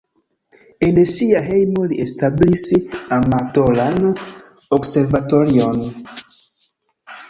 En sia hejmo li establis amatoran observatorion.